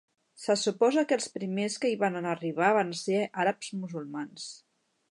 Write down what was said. Se suposa que els primers que hi van arribar van ser àrabs musulmans.